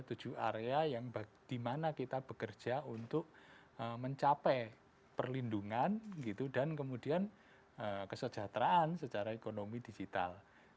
ada tujuh area yang dimana kita bekerja untuk mencapai perlindungan dan kemudian kesejahteraan secara ekonomi digital